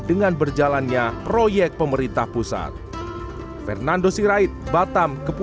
dengan berjalannya proyek pemerintah pusat